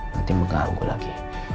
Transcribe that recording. nanti mengganggu lagi